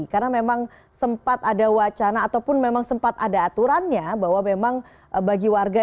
karena memang sempat ada wacana ataupun memang sempat ada aturannya bahwa memang bagi warga